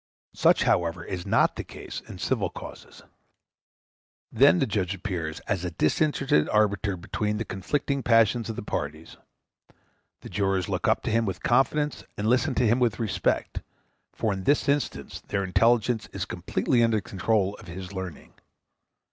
Such, however, is not the case in civil causes; then the judge appears as a disinterested arbiter between the conflicting passions of the parties. The jurors look up to him with confidence and listen to him with respect, for in this instance their intelligence is completely under the control of his learning.